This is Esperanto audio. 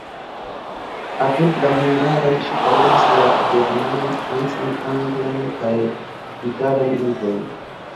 Apud la hungaran ŝi parolis la germanan, francan, anglan kaj italan lingvojn.